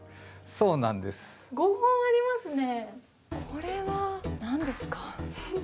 これは何ですか？